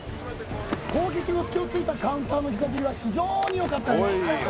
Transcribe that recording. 攻撃の隙をついたカウンターの膝蹴りは非常によかったです